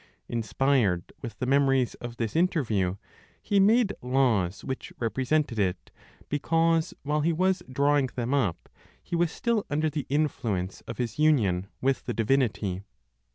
Inspired with the memories of this interview, he made laws which represented it, because, while he was drawing them up, he was still under the influence of his union with the divinity.